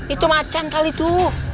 itu macan kali itu